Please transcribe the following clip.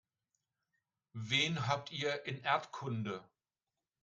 Wen habt ihr in Erdkunde?